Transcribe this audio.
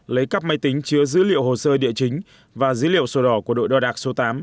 lấy cắp máy tính chứa dữ liệu hồ sơ địa chính và dữ liệu sổ đỏ của đội đo đạc số tám